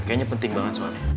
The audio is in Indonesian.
kayaknya penting banget soalnya